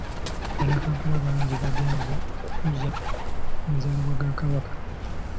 Bannakampala bangi bagenze okukuza amazaalibwa ga Kabaka.